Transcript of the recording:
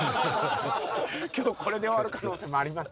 今日これで終わる可能性もあります。